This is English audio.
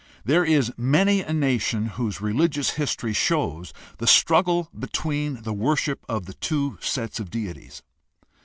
There is many a nation whose religious history shows the struggle between the worship of the two sets of deities.